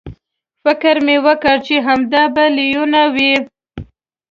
فکر مې وکړ چې همدا به لویینو وي.